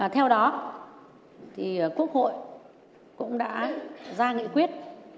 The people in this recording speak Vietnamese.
theo đó quốc hội cũng đã ra nghị quyết